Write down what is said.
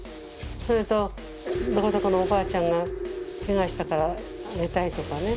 それとどこどこのおばあちゃんがケガしたからあげたいとかね。